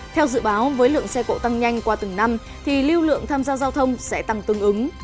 theo dự báo với lượng xe cộ tăng nhanh qua từng năm thì lưu lượng tham gia giao thông sẽ tăng tương ứng